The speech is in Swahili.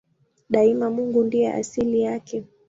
Daima Mungu ndiye asili yake.